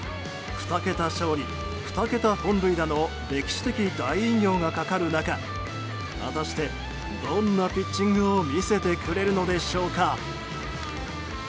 ２桁勝利２桁本塁打の歴史的大偉業がかかる中果たして、どんなピッチングを見せてくれるのでしょうか。